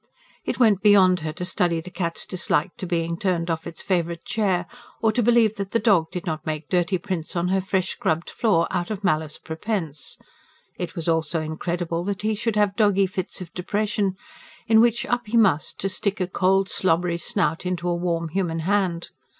It went beyond her to study the cat's dislike to being turned off its favourite chair, or to believe that the dog did not make dirty prints on her fresh scrubbed floor out of malice prepense; it was also incredible that he should have doggy fits of depression, in which up he must to stick a cold, slobbery snout into a warm human hand.